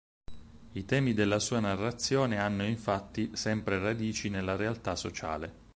I temi della sua narrazione hanno infatti sempre radici nella realtà sociale.